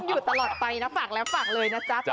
อยู่ตลอดไปนะฝากแล้วฝากเลยนะจ๊ะ